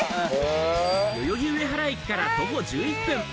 代々木上原駅から徒歩１１分。